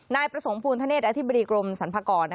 นายประสงค์ภูณธเนศอธิบดีกรมสรรพากร